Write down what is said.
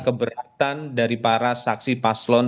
keberatan dari para saksi paslon